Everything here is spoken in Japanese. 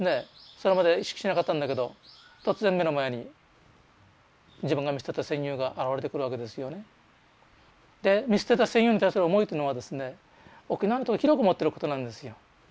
それまで意識しなかったんだけど突然目の前に自分が見捨てた戦友が現れてくるわけですよね。で見捨てた戦友に対する思いというのはですね沖縄の人が広く持ってることなんですよ。